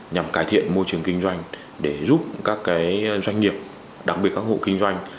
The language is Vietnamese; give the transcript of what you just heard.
nhằm cải thiện môi trường kinh doanh để giúp các doanh nghiệp đặc biệt các hộ kinh doanh